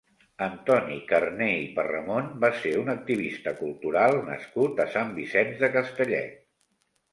Antoni Carné i Parramon va ser un activista cultural nascut a Sant Vicenç de Castellet.